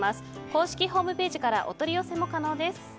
公式ホームページからお取り寄せも可能です。